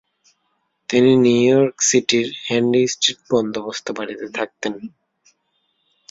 তিনি নিউইয়র্ক সিটির Henry Street বন্দোবস্ত বাড়িতে থাকতেন।